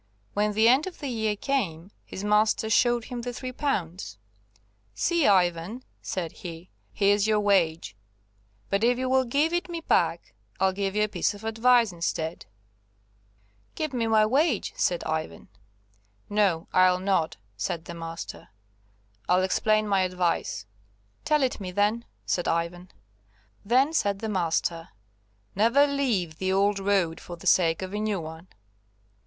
When the end of the year came his master showed him the three pounds. "See, Ivan," said he, "here's your wage; but if you will give it me back I'll give you a piece of advice instead." "Give me my wage," said Ivan. "No, I'll not," said the master; "I'll explain my advice." "Tell it me, then," said Ivan. Then, said the master, "Never leave the old road for the sake of a new one."